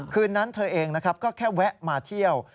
คืนนั้นเธอเองก็แค่แวะมาเที่ยว